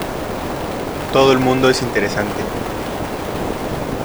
Todo el mundo es interesante.